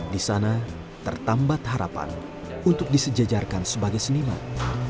di sana tertambat harapan untuk disejajarkan sebagai seniman